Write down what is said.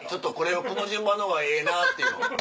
この順番の方がええなっていうの。